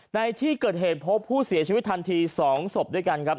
ในที่เกิดเหตุพบผู้เสียชีวิตทันที๒ศพด้วยกันครับ